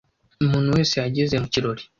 Umuntu wese yageze mu kirori.